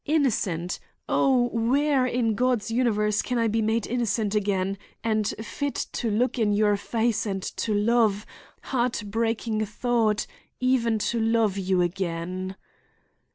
Innocent! O, where in God's universe can I be made innocent again and fit to look in your face and to love—heart breaking thought—even to love you again?